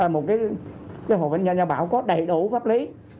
một cái hộp bệnh gia gia bảo có đầy đủ pháp lý